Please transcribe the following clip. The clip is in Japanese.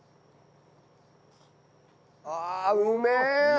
ああうめえ！